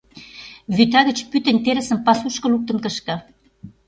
Вӱта гыч пӱтынь терысым пасушко луктын кышке...